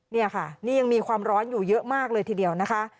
นี่ค่ะนี่ยังมีความร้อนอยู่เยอะมากเลยทีเดียวนะคะ